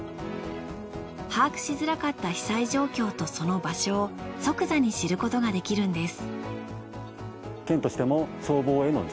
把握しづらかった被災状況とその場所を即座に知ることができるんです。